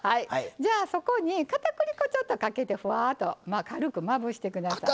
じゃあそこにかたくり粉ちょっとかけてふわっと軽くまぶして下さい。